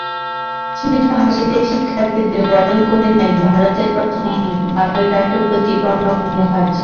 স্মিত হাসিতে শিক্ষার্থীদের বরণ করে নেন ভারতের প্রথম বাঙালি রাষ্ট্রপতি প্রণব মুখার্জি।